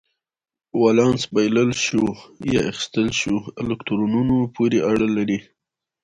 ولانس بایلل شوو یا اخیستل شوو الکترونونو پورې اړه لري.